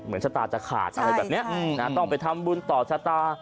ชะตาจะขาดอะไรแบบนี้ต้องไปทำบุญต่อชะตา